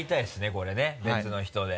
これね別の人で。